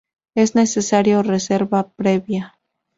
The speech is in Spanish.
Es necesario reserva previa.